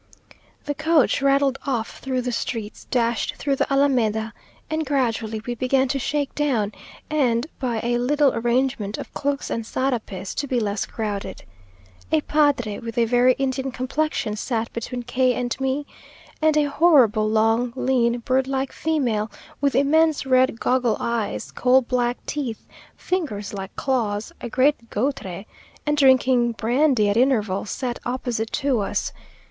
The coach rattled off through the streets, dashed through the Alameda, and gradually we began to shake down, and, by a little arrangement of cloaks and sarapes, to be less crowded. A padre with a very Indian complexion sat between K and me, and a horrible, long, lean, bird like female, with immense red goggle eyes, coal black teeth, fingers like claws, a great goitre, and drinking brandy at intervals, sat opposite to us.